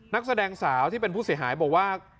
นักแสดงสาวที่เป็นผู้เสียหายบอกว่า